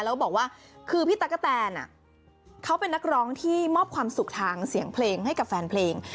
แล้วบอกว่าคือพี่ตั๊กกะแตนเขาเป็นนักร้องที่มอบความสุขทางเสียงเพลงให้กับแฟนเพลง